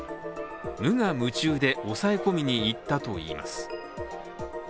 無我夢中で抑え込みにいったといいます。